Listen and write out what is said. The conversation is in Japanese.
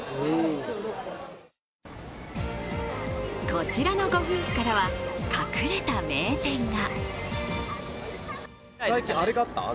こちらのご夫婦からは隠れた名店が。